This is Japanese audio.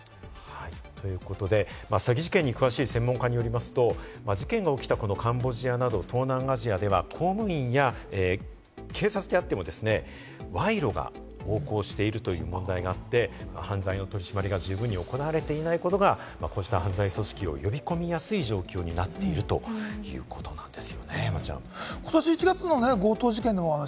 詐欺事件に詳しい専門家によりますと、事件が起きたこのカンボジアや東南アジアなど、警察であっても賄賂が横行しているという事情があって、犯罪の取り締まりが十分に行われていないという状況がこういった犯罪組織を呼び込みやすい状況になっていたとも指摘されているんです。